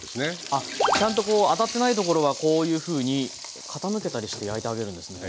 あっちゃんとこう当たってないところはこういうふうに傾けたりして焼いてあげるんですね。